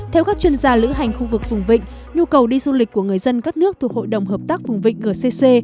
theo các chuyên gia lữ hành khu vực vùng vịnh nhu cầu đi du lịch của người dân các nước thuộc hội đồng hợp tác vùng vịnh gcc